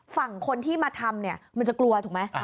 ฝั่งคนที่มาทำเนี่ยมันจะกลัวถูกไหม